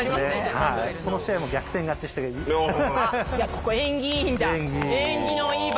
ここ縁起いいんだ。